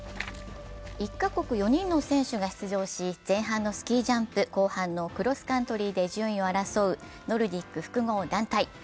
１カ国４人の選手が出場し前半のスキージャンプ、後半のクロスカントリーで順位を争うノルディック複合団体。